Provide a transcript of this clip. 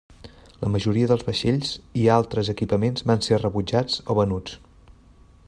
La majoria dels vaixells i altres equipaments van ser rebutjats o venuts.